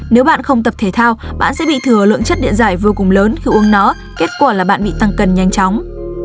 nếu bạn không tập thể thao bạn sẽ bị thừa lượng chất điện giải vô cùng lớn khi uống nó kết quả là bạn bị tăng cần nhanh chóng